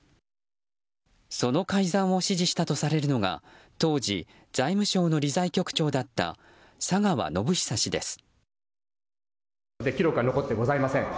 その改ざんを指示したとされるのが当時、財務相の理財局長だった佐川宣寿氏です。